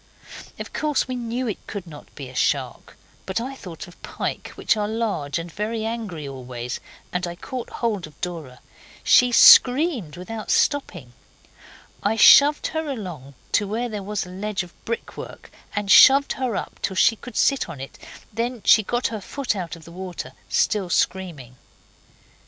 Of course we knew it could not be a shark, but I thought of pike, which are large and very angry always, and I caught hold of Dora. She screamed without stopping. I shoved her along to where there was a ledge of brickwork, and shoved her up, till she could sit on it, then she got her foot out of the water, still screaming.